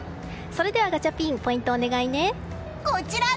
それではガチャピンポイントをお願いね。